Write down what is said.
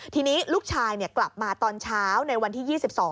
ทีนี้ลูกชายกลับมาตอนเช้าในวันที่๒๒